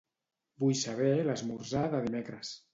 Vull saber l'esmorzar de dimecres.